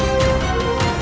aku akan menang